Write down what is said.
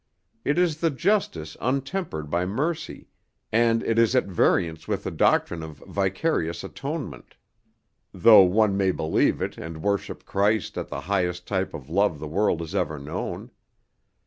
It is justice untempered by mercy, and it is at variance with the doctrine of vicarious atonement, though one may believe it and worship Christ as the highest type of love the world has ever known.